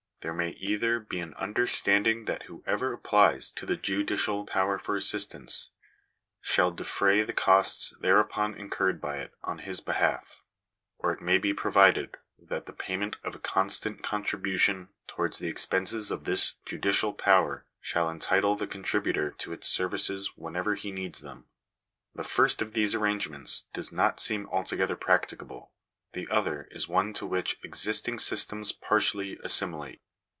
There may either be an understanding that whoever applies to the judicial power for assistance shall defray the costs thereupon incurred by it on his behalf, or it may be provided that the payment of a constant contribution towards the expenses of this judicial power shall entitle the contributor to its services whenever he needs them. The first of these arrangements does not seem altogether practicable ; the other is one to which existing sys tems partially assimilate.